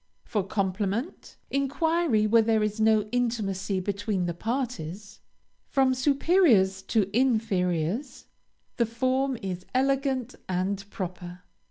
For compliment, inquiry where there is no intimacy between the parties, from superiors to inferiors, the form is elegant and proper.